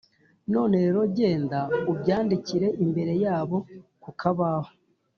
None rero, genda ubyandikire imbere yabo ku kabaho,